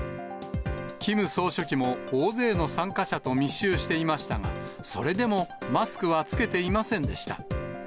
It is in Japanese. キム総書記も大勢の参加者と密集していましたが、それでもマスクは着けていませんでした。